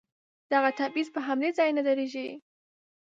دغه تبعيض په همدې ځای نه درېږي.